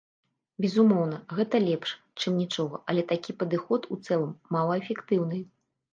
Безумоўна, гэта лепш, чым нічога, але такі падыход у цэлым малаэфектыўны.